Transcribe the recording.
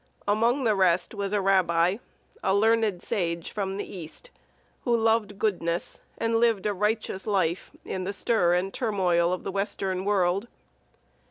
Among the rest was a rabbi, a learned sage from the East, who loved goodness, and lived a righteous life in the stir and turmoil of the Western world.